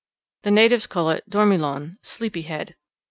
The natives call it dormilon sleepy head.